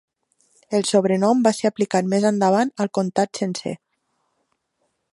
El sobrenom va ser aplicat més endavant al comtat sencer.